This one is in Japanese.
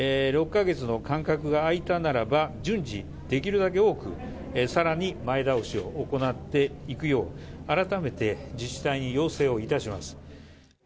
６か月の間隔が空いたならば、順次、できるだけ多く、さらに前倒しを行っていくよう、改めて自治体に要請をいたします。